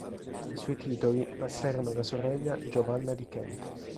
I suoi titoli passarono alla sorella Giovanna di Kent.